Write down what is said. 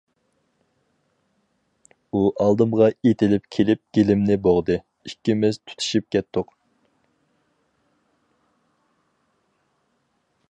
ئۇ ئالدىمغا ئېتىلىپ كېلىپ گېلىمنى بوغدى، ئىككىمىز تۇتىشىپ كەتتۇق.